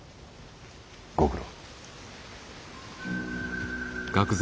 ご苦労。